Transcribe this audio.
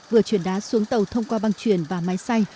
vừa chuyển đá xuống tàu thông qua băng truyền và máy xay